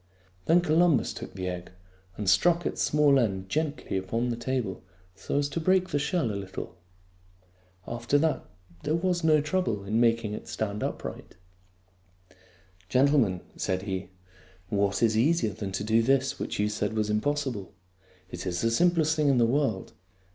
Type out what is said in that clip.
Then Columbus took the egg and struck its small end gently upon the table so as to break the shell a little. After that there was no trouble in making it stand upright. " Gentlemen," said he, " what is easier than to do this which you said was impossible? It is the simplest thing in the world.